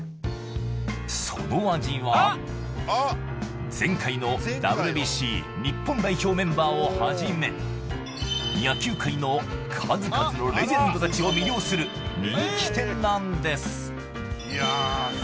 その味は前回のＷＢＣ日本代表メンバーをはじめ野球界の数々のレジェンドたちを魅了する人気店なんです